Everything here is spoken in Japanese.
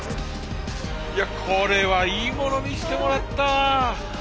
いやこれはいいもの見してもらったわ。